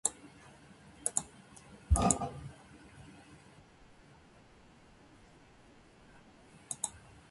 朝起きて最初にすることは何ですか。